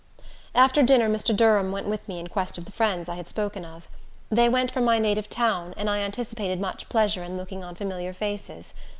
After dinner Mr. Durham went with me in quest of the friends I had spoken of. They went from my native town, and I anticipated much pleasure in looking on familiar faces.